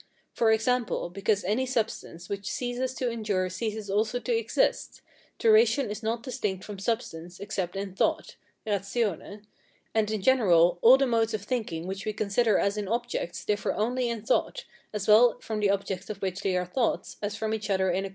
For example, because any substance which ceases to endure ceases also to exist, duration is not distinct from substance except in thought (RATIONE); and in general all the modes of thinking which we consider as in objects differ only in thought, as well from the objects of which they are thought as from each other in a common object.